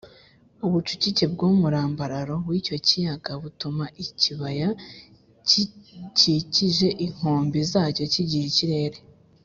ubucurike bw’umurambararo w’icyo kiyaga butuma ikibaya gikikije inkombe zacyo kigira ikirere